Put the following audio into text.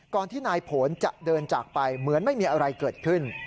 ที่นายผลจะเดินจากไปเหมือนไม่มีอะไรเกิดขึ้น